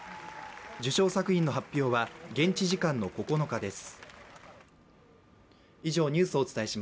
受賞作品の発表は現地時間の９日です。